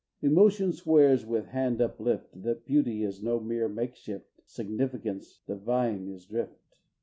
Emotion swears with hand uplift, That beauty is no mere makeshift, Significance divine its drift.